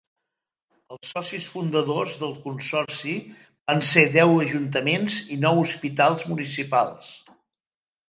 Els socis fundadors del Consorci van ser deu ajuntaments i nou hospitals municipals.